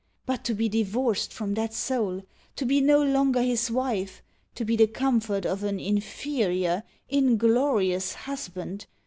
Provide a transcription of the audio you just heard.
But to be divorced from that soul! to be no longer his wife! to be the comfort of an inferior, inglorious husband!